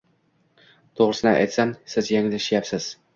To'g'risini aytsam, siz yanglishyapsiz.